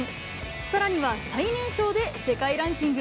さらには最年少で世界ランキング